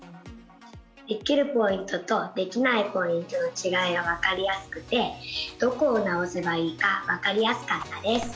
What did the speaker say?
できるポイントとできないポイントのちがいが分かりやすくてどこを直せばいいか分かりやすかったです。